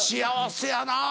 幸せやな。